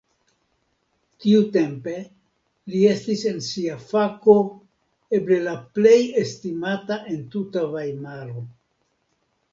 Tiutempe li estis en sia fako eble la plej estimata en tuta Vajmaro.